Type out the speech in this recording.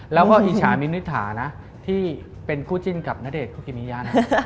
แล้วก็อิจฉามิ้นนิถานะที่เป็นคู่จิ้นกับณเดชนคุกิมิยะ